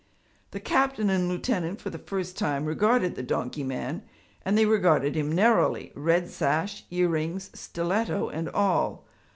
The captain and lieutenant for the first time regarded the donkey man, and they regarded him narrowly, red sash, earrings, stiletto and all.